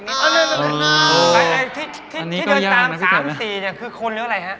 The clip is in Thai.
ที่เดินตามศูนย์สี่คือคนเรียกอะไรครับ